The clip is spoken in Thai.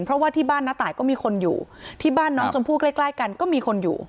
เพราะว่าที่บ้านน้าตายก็มีคนอยู่ที่บ้านน้องชมพู่ใกล้กันก็มีคนอยู่